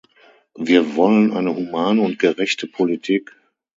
Wir wollen eine humane und gerechte Politik.